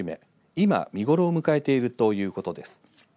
今、見頃を迎えているということです。